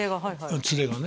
連れがね